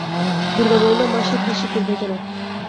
দুর্গা বলিল, মা শিগগির শিগগির ভেজে নাও।